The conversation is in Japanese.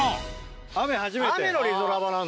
雨初めて。